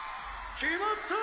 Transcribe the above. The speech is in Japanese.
決まった！